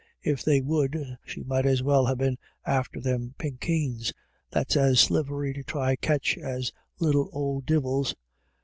If they would, she might as well ha* been after thim pinkeens, that's as slithery to try catch as little ould divils.